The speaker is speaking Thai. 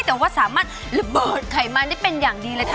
แต่ว่าสามารถระเบิดไขมันได้เป็นอย่างดีเลยค่ะ